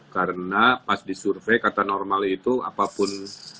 karena pas disurvey kata normal itu apapun